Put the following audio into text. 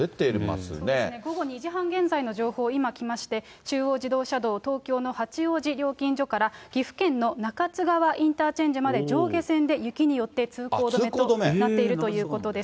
そうですね、午後２時半現在の情報、今来まして、中央自動車道、東京の八王子料金所から、岐阜県の中津川インターチェンジまで、上下線で雪によって通行止めとなっているということです。